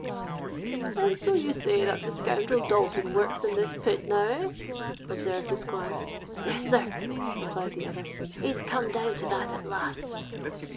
—'And so you say that the scoundrel Dalton works in this pit now, eh?' observed the Squire.—'Yes, sir,' replied the other: 'he's come down to that at last.'